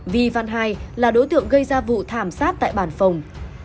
vy văn ii là đối tượng gây ra vụ thảm sát tại bàn phòng